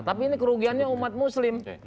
tapi ini kerugiannya umat muslim